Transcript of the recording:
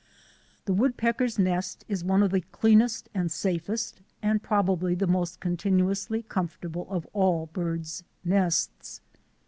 The woodpecker's nest is one of the cleanest j and safest and probably the most continuously j comfortable of all birds' nests.